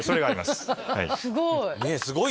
すごい！